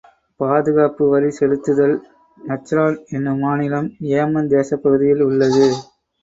பாதுகாப்பு வரி செலுத்துதல் நஜ்ரான் என்னும் மாநிலம், ஏமன் தேசப் பகுதியில் உள்ளது.